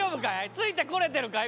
ついてこれてるかい？